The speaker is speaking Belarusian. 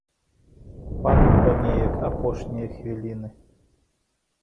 Паныла неяк апошнія хвіліны.